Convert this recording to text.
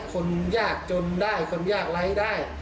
คนยากจนได้คนยากไร้ได้